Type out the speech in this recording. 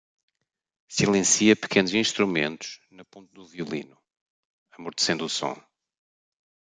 Silencia pequenos instrumentos na ponte do violino, amortecendo o som.